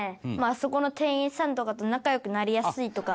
そこの店員さんとかと仲良くなりやすいとか。